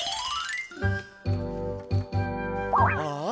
ああ！